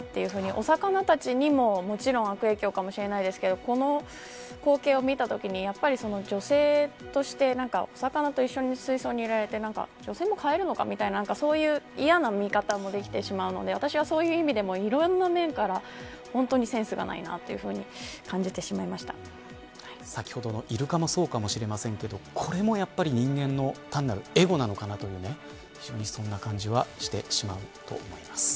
お魚たちにも、もちろん悪影響かもしれないですけどこの光景を見たときに女性としてお魚と一緒に水槽に入れられて女性も買えるのかみたいなそういう嫌な見方もできてしまうので私もそういう意味でもいろんな面から本当にセンスがないなと先ほどのイルカもそうかもしれませんけどこれも人間の単なるエゴなのかなという非常にそんな感じはしてしまうと思います。